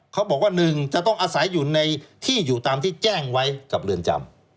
เขาบอกว่า๑จะต้องอาศัยอยู่ในที่อยู่ตามที่แจ้งไว้กับเรือนจำ